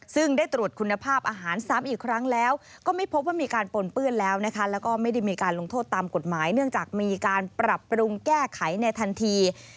ซึ่งได้ตรวจคุณภาพอาหารซ้ำอีกครั้งแล้วก็ไม่พบว่ามีการปนเปื้อนแล้วนะคะแล้วก็ไม่ได้มีการลงโทษตามกฎหมายเนื่องจากมีการปรับปรุงแก้ไขในทันที